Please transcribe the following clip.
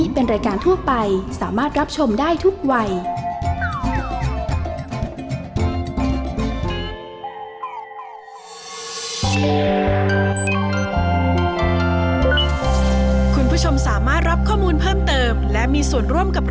เป็กกี้ก็โหลดแล้วค่ะ